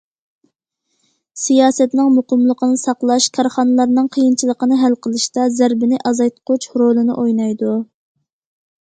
سىياسەتنىڭ مۇقىملىقىنى ساقلاش— كارخانىلارنىڭ قىيىنچىلىقىنى ھەل قىلىشتا« زەربىنى ئازايتقۇچ» رولىنى ئوينايدۇ.